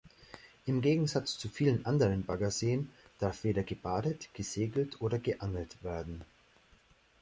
Im Gegensatz zu vielen anderen Baggerseen darf weder gebadet, gesegelt oder geangelt werden.